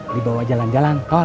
dibawa jalan jalan thor